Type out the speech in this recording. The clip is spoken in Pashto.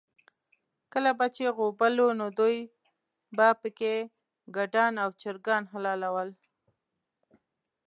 کله به چې غوبل و، نو دوی به پکې ګډان او چرګان حلالول.